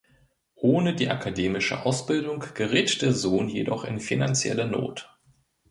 Ohne die akademische Ausbildung gerät der Sohn jedoch in finanzielle Not.